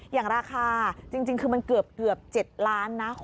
อย่างราคาจริงคือมันเกือบ๗ล้านนะ